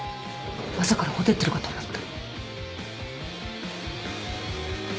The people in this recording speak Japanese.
朝から火照ってるかと思った。